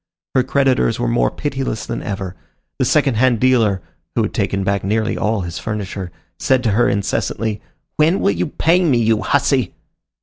Her creditors were more pitiless than ever. The second hand dealer, who had taken back nearly all his furniture, said to her incessantly, "When will you pay me, you hussy?"